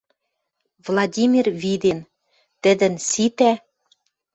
Владимир виден. Тӹдӹн ситӓ